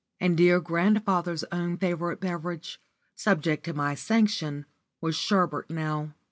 And dear grandfather's own favourite beverage, subject to my sanction, was sherbet now.